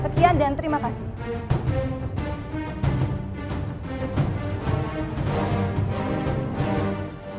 sekian dan terima kasih